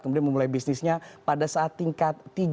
kemudian memulai bisnisnya pada saat tingkat tiga